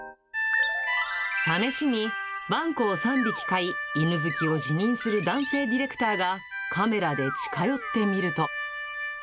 試しにワンコを３匹飼い、い犬好きを自任する男性ディレクターが、カメラで近寄ってみると。